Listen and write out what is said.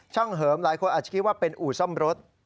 ช่างเหิมหลายคนอาจคิดว่าเป็นอุสมรส